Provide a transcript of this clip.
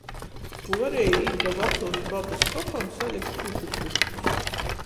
Puorejī īt da vacuos babys kopam salikt puču puškus.